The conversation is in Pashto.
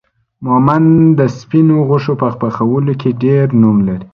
مومند دا سپينو غوښو په پخولو کې ډير نوم لري